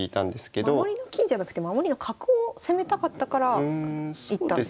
守りの金じゃなくて守りの角を攻めたかったから行ったんですね。